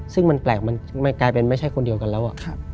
ซึ่งมันแปลกมันกลายเป็นไม่ใช่คนเดียวกันแล้ว